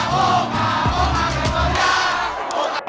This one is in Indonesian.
kami sangat dikawalkan